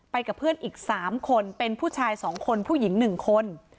กับเพื่อนอีก๓คนเป็นผู้ชาย๒คนผู้หญิง๑คน